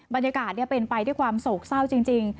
บรรยากาศเป็นไปด้วยความโศกเศร้าจริง